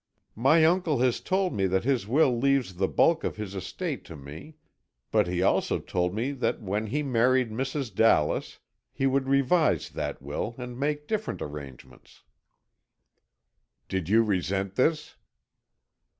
"My uncle has told me that his will leaves the bulk of his estate to me, but he also told me that when he married Mrs. Dallas, he would revise that will, and make different arrangements." "Did you resent this?"